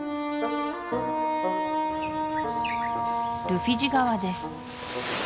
ルフィジ川です